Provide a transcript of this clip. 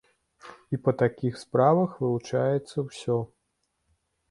І па такіх справах вывучаецца ўсё.